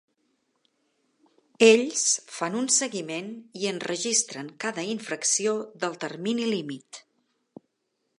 Ells fan un seguiment i enregistren cada infracció del termini límit.